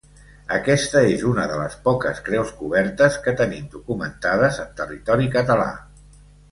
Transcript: Aquesta és una de les poques creus cobertes que tenim documentades en territori català.